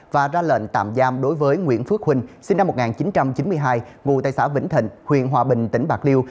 và ra lệnh tạm giam đối với nguyễn phước huynh sinh năm một nghìn chín trăm chín mươi hai ngụ tại xã vĩnh thịnh huyện hòa bình tỉnh bạc liêu